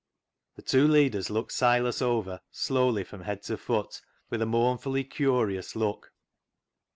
The two leaders looked Silas over slowly from head to foot with a mournfully curious look.